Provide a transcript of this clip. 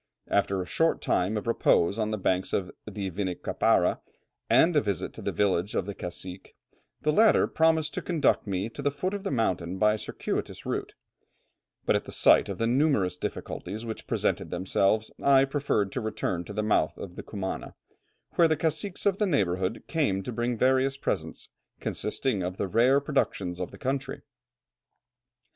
After a short time of repose on the banks of the Vinicapara, and a visit to the village of the cacique, the latter promised to conduct me to the foot of the mountain by a circuitous route; but at the sight of the numerous difficulties which presented themselves, I preferred to return to the mouth of the Cumana, where the caciques of the neighbourhood came to bring various presents, consisting of the rare productions of the country."